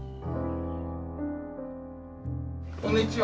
こんにちは。